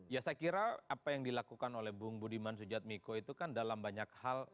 ya saya kira apa yang dilakukan oleh bung budiman sujatmiko itu kan dalam banyak hal